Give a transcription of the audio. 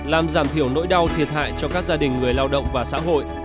làm giảm thiểu nỗi đau thiệt hại cho các gia đình người lao động và xã hội